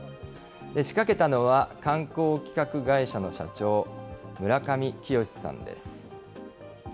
仕掛けたのは、観光企画会社の社長、村上清さんです。